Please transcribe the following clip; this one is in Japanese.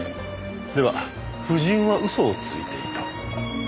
では夫人は嘘をついていた？